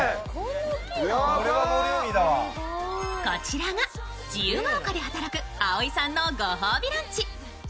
こちらが自由が丘で働くあおいさんのご褒美ランチ。